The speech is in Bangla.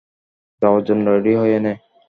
যাওয়ার জন্য রেডি হয়ে নে।